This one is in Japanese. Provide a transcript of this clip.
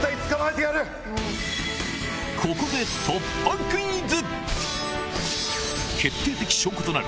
ここで突破クイズ！